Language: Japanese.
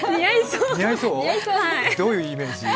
どういうイメージ？